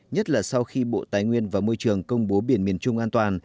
nhất là sau khi bộ tài nguyên và môi trường công bố biển miền trung an toàn